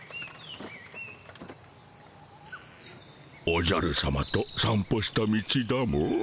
おじゃるさまと散歩した道だモ。